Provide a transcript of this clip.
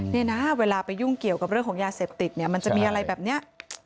นี่นะเวลาไปยุ่งเกี่ยวกับเรื่องของยาเสพติดเนี่ยมันจะมีอะไรแบบนี้